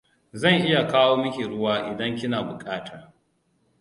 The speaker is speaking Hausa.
Zan iya kawo miki ruwa, idan kina buƙata.